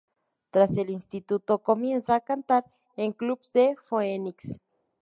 Tras el instituto comienza a cantar en clubs de Phoenix.